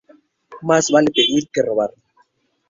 Más vale pedir que robar